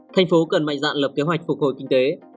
thành phố cần mạnh dạn lập kế hoạch phục hồi kinh tế